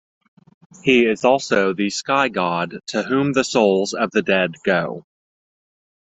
He is also the sky god to whom the souls of the dead go.